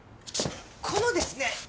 このですね